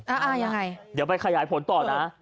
ไหนเดี๋ยวไปขยายผลต่อนะ